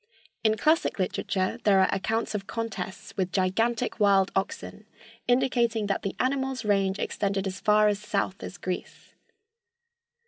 In classic literature there are accounts of contests with gigantic wild oxen, indicating that the animal's range extended as far south as Greece.